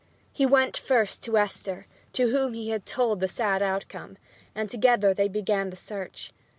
He went first to Esther, to whom he told the sad outcome, and together they began the search.